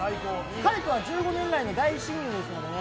彼とは１５年来の大親友ですのでね